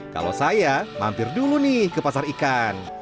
kalau saya mampir dulu nih ke pasar ikan